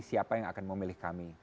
siapa yang akan memilih kami